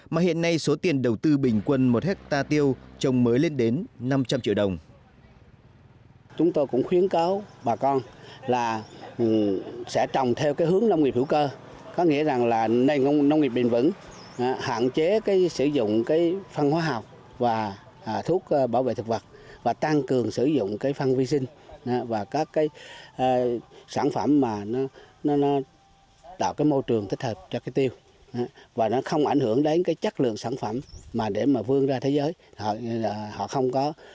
mà hiện nay số tiền đầu tư bình quân một hectare tiêu trồng mới lên đến năm trăm linh triệu đồng